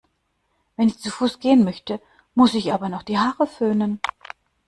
Wenn ich zu Fuß gehen möchte, muss ich aber noch die Haare föhnen.